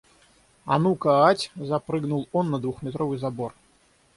«А ну-ка... ать!» — запрыгнул он на двухметровый забор.